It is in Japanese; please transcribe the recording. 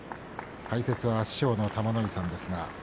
解説は師匠の玉ノ井さんです。